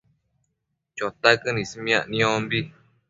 Chotaquën ismiac niombi